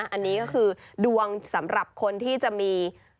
อันนี้ก็คือดวงสำหรับคนที่จะมี